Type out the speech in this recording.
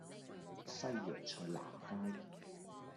西洋菜南街